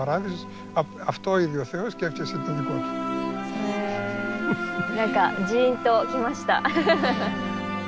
へえ何かジーンときました。